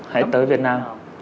hãy tới việt nam